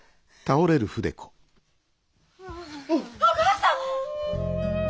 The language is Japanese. お母さん！